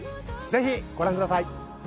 ぜひご覧ください。